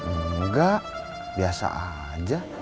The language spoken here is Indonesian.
enggak biasa aja